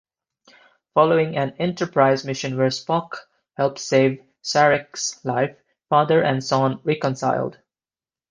Following an "Enterprise" mission where Spock helped save Sarek's life, father and son reconciled.